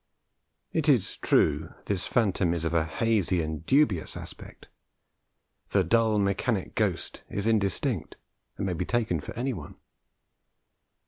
It is true this phantom is of a hazy and dubious aspect: the 'dull mechanic ghost' is indistinct, and may be taken for anyone.